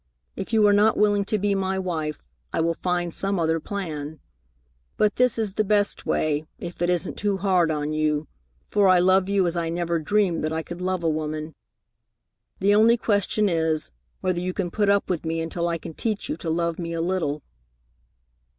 If you are not willing to be my wife, I will find some other plan. But this is the best way, if it isn't too hard on you, for I love you as I never dreamed that I could love a woman. The only question is, whether you can put up with me until I can teach you to love me a little."